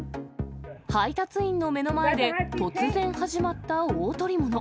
配達員の目の前で、突然始まった大捕り物。